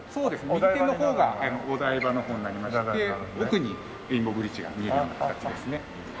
右手の方がお台場の方になりまして奥にレインボーブリッジが見えるような形ですね。